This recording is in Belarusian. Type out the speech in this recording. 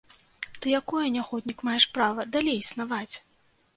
Ты якое, нягоднік, маеш права далей існаваць?